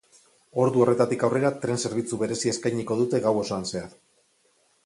Ordu horretatik aurrera, tren zerbitzu berezia eskainiko dute gau osoan zehar.